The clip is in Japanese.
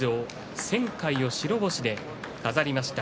１０００回を白星で飾りました。